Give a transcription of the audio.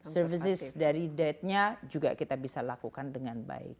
servis dari data nya juga kita bisa lakukan dengan baik